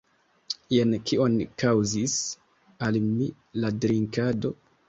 Jen kion kaŭzis al mi la drinkado!